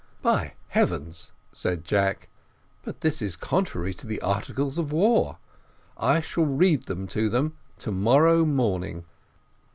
"By heavens!" says Jack, "but this is contrary to the `articles of war'; I shall read them to them to morrow morning."